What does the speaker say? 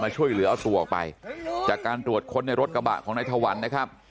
ช่วยเหลือเอาตัวออกไปจากการตรวจค้นในรถกระบะของนายถวันนะครับ